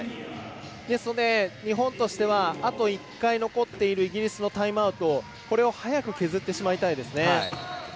ですので日本としてはあと１回残っているイギリスのタイムアウトを早く削ってしまいたいですね。